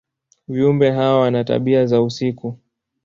Viumbe hawa wana tabia za usiku.